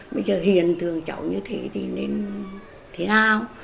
bây giờ hiền thường cháu như thế thì nên thế nào